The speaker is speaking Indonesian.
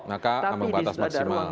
maka membatas maksimal